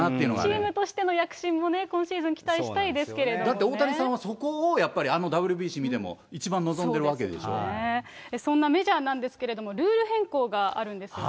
チームとしての躍進もね、だって、大谷さんはそこをやっぱりあのＷＢＣ見ても、そんなメジャーなんですけれども、ルール変更があるんですよね。